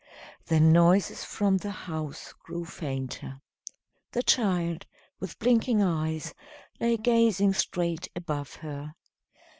The noises from the house grew fainter. The child, with blinking eyes, lay gazing straight above her.